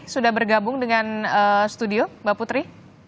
sudah bergabung dengan studio mbak putri